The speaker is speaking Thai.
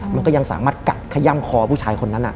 มันก็ยังสามารถกัดขย่ำคอผู้ชายคนนั้น